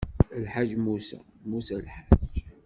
Lḥaǧ musa, musa lḥaǧ.